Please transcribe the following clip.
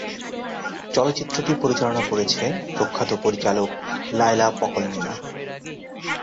চলচ্চিত্রটি পরিচালনা করেছে প্রখ্যাত পরিচালক লায়লা পকলনিনা।